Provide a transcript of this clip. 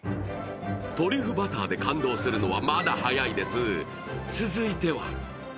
トリュフバターで感動するのはまだ早いです。